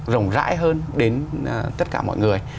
rồng rãi hơn đến tất cả mọi người